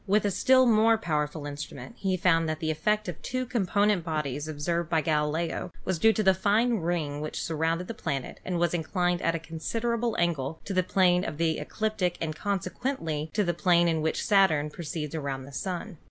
With a still more powerful instrument he found that the effect of two component bodies observed by Gali leo was due to the fine ring which surrounded the planet and was inclined at a considerable angle to the plane of the ecliptic and consequently to the plane in which Saturn proceeds around the Sun.